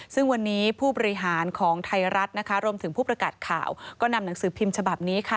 ซึ่งวันนี้ผู้บริหารของไทยรัฐนะคะรวมถึงผู้ประกาศข่าวก็นำหนังสือพิมพ์ฉบับนี้ค่ะ